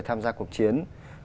tham gia cuộc chiến